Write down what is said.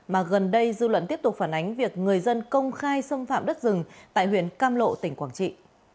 mà gần đây dư luận tiếp tục phản ánh việc người dân công khai xâm phạm đất rừng tại huyện cam lộ tỉnh quảng trị